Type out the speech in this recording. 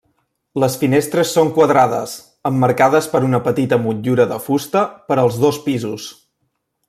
Les finestres són quadrades emmarcades per una petita motllura de fusta per als dos pisos.